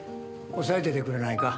押さえててくれないか？